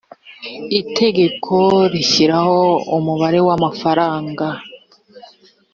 itegeko rishyiraho umubare w amafaranga